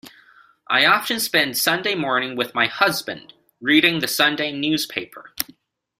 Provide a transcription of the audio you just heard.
I often spend Sunday morning with my husband, reading the Sunday newspaper